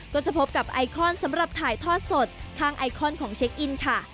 ก็จะพบกับไอคอนสำหรับถ่ายทอดสดทางไอคอนของเช็คอินค่ะ